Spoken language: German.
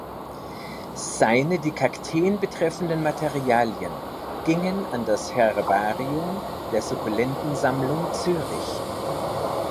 Seine die Kakteen betreffenden Materialien gingen an das Herbarium der Sukkulenten-Sammlung Zürich.